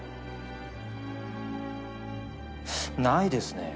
ないですね。